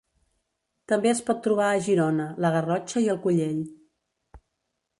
També es pot trobar a Girona, la Garrotxa i el Collell.